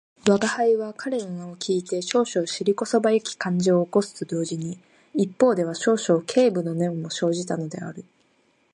吾輩は彼の名を聞いて少々尻こそばゆき感じを起こすと同時に、一方では少々軽侮の念も生じたのである